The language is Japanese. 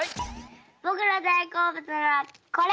ぼくのだいこうぶつはこれ！